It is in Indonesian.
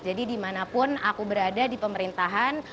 jadi dimanapun aku berada di pemerintahan